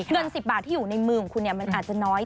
เงิน๑๐บาทที่อยู่ในมือของคุณมันอาจจะน้อย